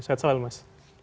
sehat selalu mas